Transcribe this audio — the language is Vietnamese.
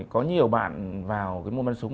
có nhiều bạn vào cái môn bắn súng